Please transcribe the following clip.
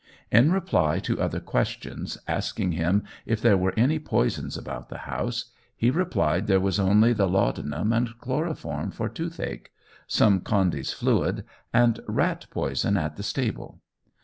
In reply to other questions, asking him if there were any poisons about the house, he replied there was only the laudanum and chloroform for toothache, some Condy's Fluid, and "rat poison in the stable."